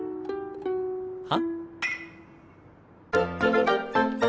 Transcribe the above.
は？